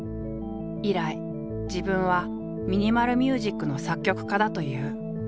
以来自分はミニマル・ミュージックの作曲家だという。